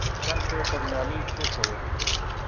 څنگ ته يې پر نيالۍ کښېښوه.